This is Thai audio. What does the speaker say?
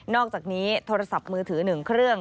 อกจากนี้โทรศัพท์มือถือ๑เครื่อง